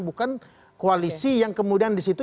bukan koalisi yang kemudian disitu